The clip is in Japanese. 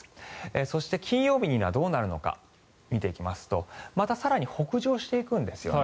そして、金曜日にはどうなるのか見ていきますとまた更に北上していくんですよね。